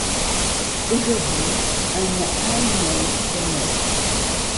Aujourd’hui un aémère est mort.